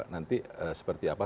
nanti seperti apa